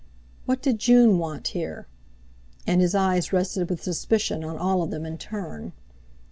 "What did June want here?" And his eyes rested with suspicion on all of them in turn.